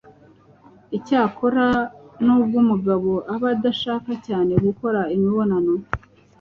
icyakora nubwo umugabo aba adashaka cyane gukora imibonano